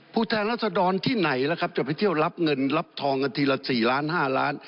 แทนรัศดรที่ไหนล่ะครับจะไปเที่ยวรับเงินรับทองกันทีละ๔ล้าน๕ล้าน